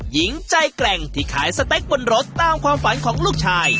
หญิงใจแกร่งที่ขายสเต็กบนรถตามความฝันของลูกชาย